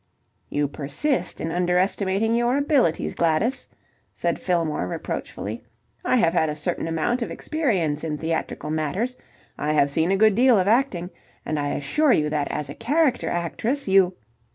"You persist in underestimating your abilities, Gladys," said Fillmore reproachfully. "I have had a certain amount of experience in theatrical matters I have seen a good deal of acting and I assure you that as a character actress you..."